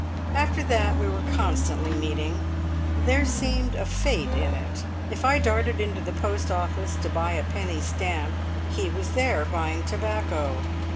After that we were constantly meeting. There seemed a fate in it. If I darted into the post office to buy a penny stamp, he was there buying tobacco.